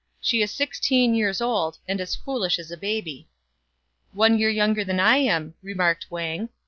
113 She is sixteen years old, and as foolish as a baby." " One year younger than I am," remarked Wang.